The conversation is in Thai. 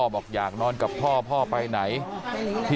เมื่อ